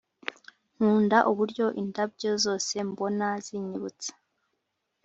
nkunda uburyo indabyo zose mbona zinyibutsa